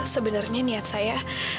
sebenarnya niat saya